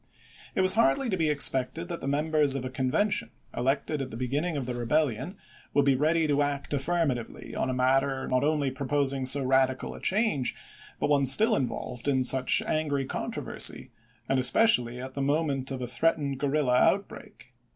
It was hardly to be expected that the members of a Convention elected at the beginning of the rebellion would be ready to act affirmatively on a matter not only proposing so radical a change, but one still involved in such angry controversy, and especially at the moment of a threatened guer rilla outbreak.